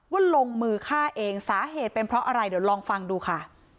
ลงมือฆ่าเองสาเหตุเป็นเพราะอะไรเดี๋ยวลองฟังดูค่ะ